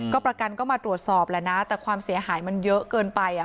ก็ประกันก็มาตรวจสอบแหละนะแต่ความเสียหายมันเยอะเกินไปอ่ะ